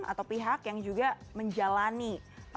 atau pihak yang juga menjalani